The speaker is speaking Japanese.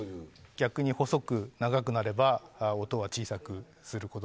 逆に細く長くなれば音が小さくなることが。